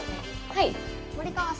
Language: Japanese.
はい。